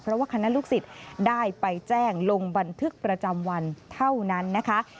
เพราะว่าคณะลูกศิษย์ได้ไปแจ้งลงบันทึกประจำวันเท่านั้นนะคะ